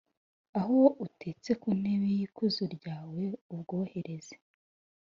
aho utetse ku ntebe y’ikuzo ryawe, ubwohereze,